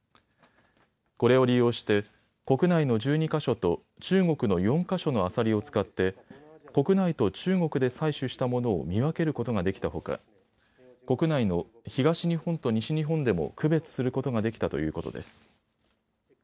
これを利用して国内の１２か所と中国の４か所のアサリを使って国内と中国で採取したものを見分けることができたほか国内の東日本と西日本でも区別することができたということです。